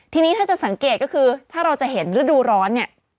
ทีนี้ถ้าจะสังเกตก็คือถ้าเราจะเห็นฤดูร้อนเนี่ย